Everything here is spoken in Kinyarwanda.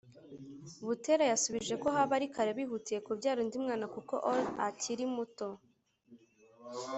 Butera yasubije ko haba ari kare bihutiye kubyara undi mwana kuko Or akiri muto